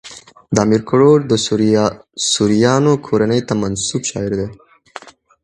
امیر کروړ د سوریانو کورنۍ ته منسوب شاعر دﺉ.